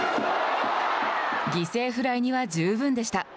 犠牲フライには十分でした。